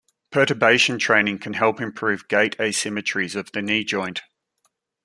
Perturbation training can help improve gait asymmetries of the knee joint.